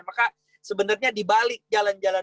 maka sebenarnya di balik jalan jalan